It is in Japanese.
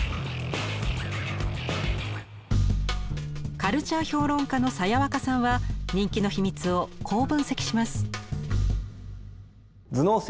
カルチャー評論家のさやわかさんは人気の秘密をこう分析します。